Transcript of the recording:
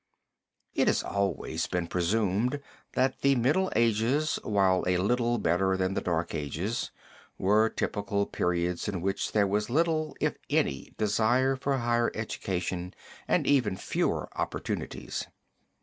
It has always been presumed that the Middle Ages, while a little better than the Dark Ages, were typical periods in which there was little, if any desire for higher education and even fewer opportunities.